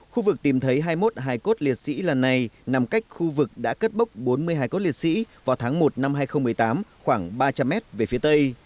khu vực tìm thấy hai mươi một hải cốt liệt sĩ lần này nằm cách khu vực đã cất bốc bốn mươi hải cốt liệt sĩ vào tháng một năm hai nghìn một mươi tám khoảng ba trăm linh m về phía tây